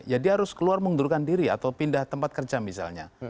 ya dia harus keluar mengundurkan diri atau pindah tempat kerja misalnya